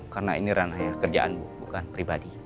karena ini ranahnya kerjaan bu bukan pribadi